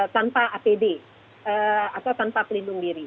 tanpa apd atau tanpa pelindung diri